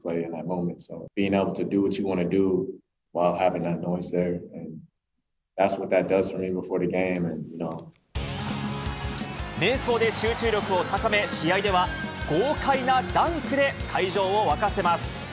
めい想で集中力を高め、試合では豪快なダンクで会場を沸かせます。